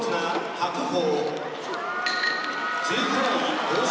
・白鵬！